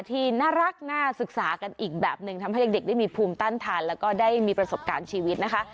ที่น่ารักน่าศึกษากันอีกแบบหนึ่งทำให้เด็กได้มีภูมิต้านทานแล้วก็ได้มีประสบการณ์ชีวิตนะคะ